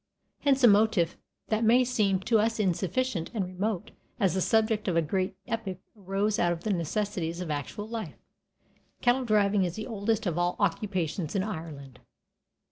Hence a motif that may seem to us insufficient and remote as the subject of a great epic arose out of the necessities of actual life. Cattle driving is the oldest of all occupations in Ireland.